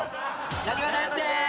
なにわ男子でーす！